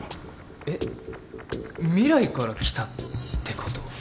えっ未来から来たってこと？